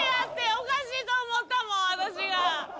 おかしいと思ったもん私が。